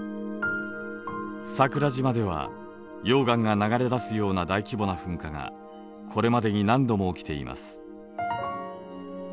桜島では溶岩が流れ出すような大規模な噴火がこれまでに何度も起きています。